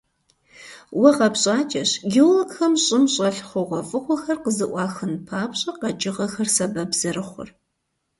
Уэ къэпщӀакӀэщ, геологхэм щӀым щӀэлъ хъугъуэфӀыгъуэхэр къызэӀуахын папщӀэ, къэкӀыгъэхэр сэбэп зэрыхъур.